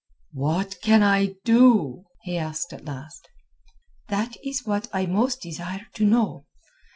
"What can I do?" he asked at last. "That is what I most desire to know.